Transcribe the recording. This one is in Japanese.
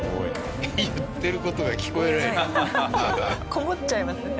こもっちゃいますね。